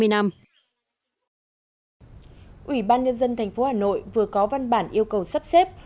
ủy ban nhân dân thành phố hà nội vừa có văn bản yêu cầu sắp xếp